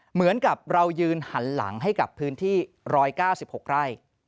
เหมือนกับเรายืนหันหลังให้กับพื้นที่๑๙๖ไร่